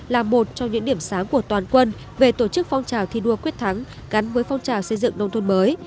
là một trong những điểm sáng của toàn quân về tổ chức phong trào thi đua quyết thắng gắn với phong trào xây dựng nông thôn mới